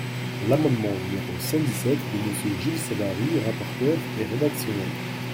L’amendement numéro cent dix-sept de Monsieur Gilles Savary, rapporteur, est rédactionnel.